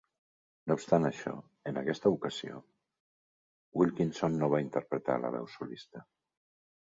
No obstant això, en aquesta ocasió, Wilkinson no va interpretar la veu solista.